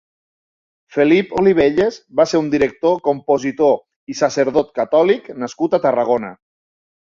Felip Olivelles va ser un director, compositor i sacerdot catòlic nascut a Tarragona.